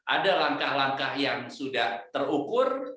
ada langkah langkah yang sudah terukur